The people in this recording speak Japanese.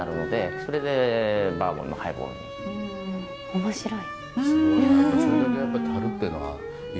面白い。